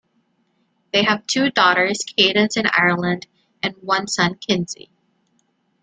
They have two daughters, Cadence and Ireland and one son Kinzy.